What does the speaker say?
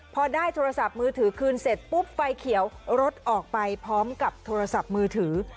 พอได้โทรศัพท์มือถือคืนเสร็จปุ๊บไฟเขียวรถออกไปพร้อมกับโทรศัพท์มือถือ